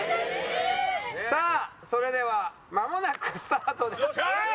さあそれではまもなくスタートです。